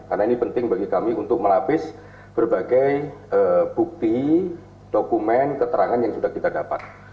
karena ini penting bagi kami untuk melapis berbagai bukti dokumen keterangan yang sudah kita dapat